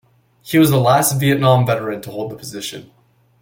He was the last Vietnam Veteran to hold the position.